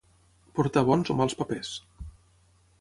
Portar bons o mals papers.